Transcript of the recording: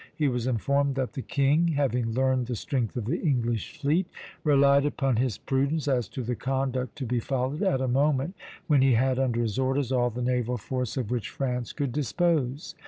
He was informed that the king, having learned the strength of the English fleet, relied upon his prudence as to the conduct to be followed at a moment when he had under his orders all the naval force of which France could dispose.